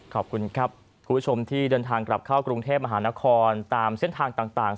ขอบคุณครับคุณผู้ชมที่เดินทางกลับเข้ากรุงเทพมหานครตามเส้นทางต่าง